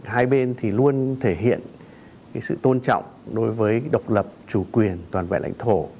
hai bên thì luôn thể hiện sự tôn trọng đối với độc lập chủ quyền toàn vẹn lãnh thổ